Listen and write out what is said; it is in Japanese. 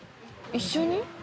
一緒に？